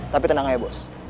tapi tenang aja bos